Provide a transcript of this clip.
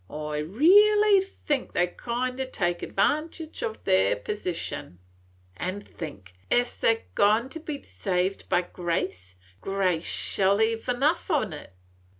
I reelly think they kind o' take advantage o' their position, an' think, es they 're goin' to be saved by grace, grace shell hev enough on 't.